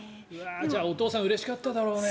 じゃあお父さんうれしかっただろうな。